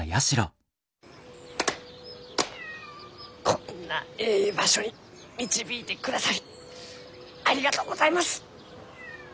こんなえい場所に導いてくださりありがとうございます！